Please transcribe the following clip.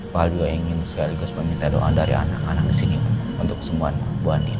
pak al juga ingin sekaligus meminta doa dari anak anak disini untuk semua bu anding